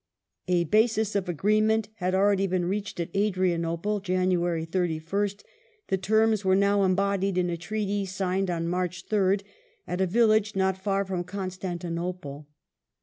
Treaty of A basis of agreement had already been reached at Adrianople 1^" (Jan. 31st) ; the terms were now embodied in a Treaty signed, on March, ' March 3rd, at a village not far from Constantinople.